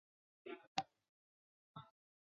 儿子刘黑马。